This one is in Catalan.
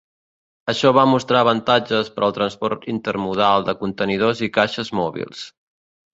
Això va mostrar avantatges per al transport intermodal de contenidors i caixes mòbils.